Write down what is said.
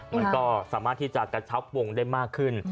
มันก็สามารถที่จะกระชับวงได้มากขึ้น